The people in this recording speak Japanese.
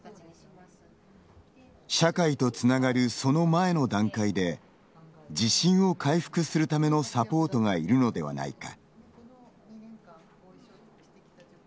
社会とつながるその前の段階で自信を回復するためのサポートがいるのではないか。